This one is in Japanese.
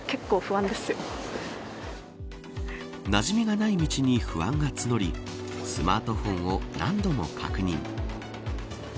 なじみがない道に不安が募りスマートフォンを何度も確認。